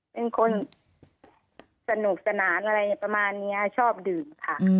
เป็นคนสนุกสนานอะไรประมาณนี้ชอบดื่มค่ะ